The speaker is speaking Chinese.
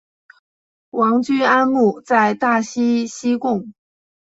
王居安墓在大溪西贡。